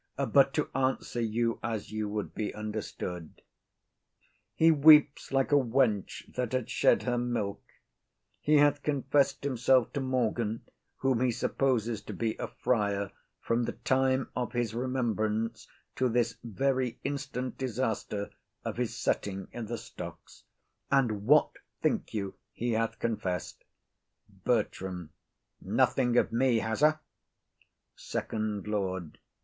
But to answer you as you would be understood: he weeps like a wench that had shed her milk; he hath confessed himself to Morgan, whom he supposes to be a friar, from the time of his remembrance to this very instant disaster of his setting i' the stocks. And what think you he hath confessed? BERTRAM. Nothing of me, has he? SECOND LORD.